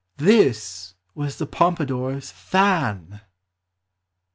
This was the Pompadour's fun